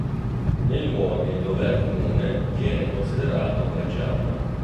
Nei luoghi dove è comune viene considerato pregiato.